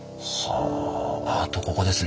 あとここですね。